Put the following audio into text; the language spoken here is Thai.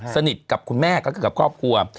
สนิทกับคุณแม่กับครอบครัว